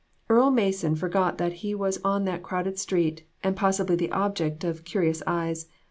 Earle Mason forgot that he was on the crowded street, and possibly the object of curious eyes.